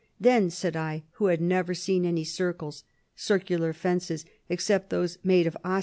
Then said I, who had never seen any circles [cir cular fences] except those made of osiers, " What *See p.